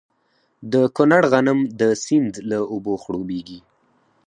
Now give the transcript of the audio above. د کونړ غنم د سیند له اوبو خړوبیږي.